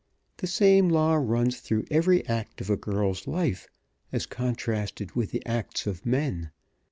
The same law runs through every act of a girl's life, as contrasted with the acts of men.